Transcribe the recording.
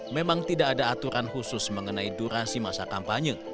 memang tidak ada aturan khusus mengenai durasi masa kampanye